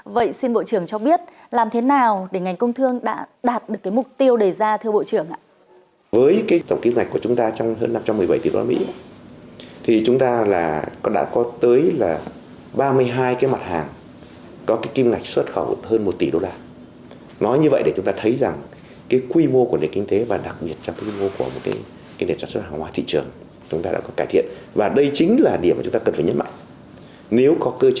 vậy xin bộ trưởng cho biết làm thế nào để ngành công thương đã đạt được mục tiêu